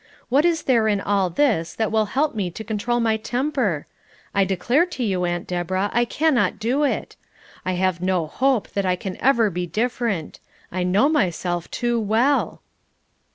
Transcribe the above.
What is there in all this that will help me to control my temper? I declare to you, Aunt Deborah, I cannot do it. I have no hope that I can ever be different. I know myself so well."